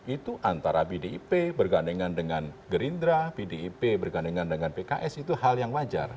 itu antara bdip bergandengan dengan gerindra pdip bergandengan dengan pks itu hal yang wajar